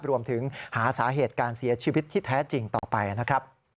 รวมถึงหาสาเหตุการเสียชีวิตที่แท้จริงต่อไปนะครับ